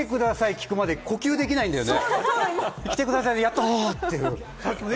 聞くまで呼吸できないんだよね。